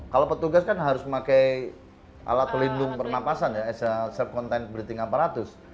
kalau petugas kan harus memakai alat pelindung pernapasan ya self contained breathing apparatus